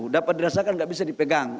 dapat dirasakan tidak bisa dipegang